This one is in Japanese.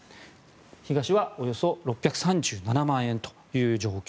東はおよそ６３７万円という状況。